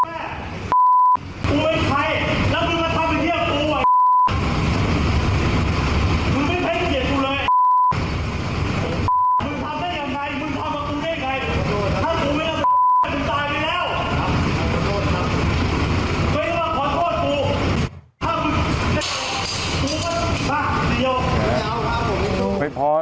หรืออีกพวก